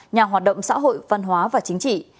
nhà hoạt động xã hội văn hóa và chính trị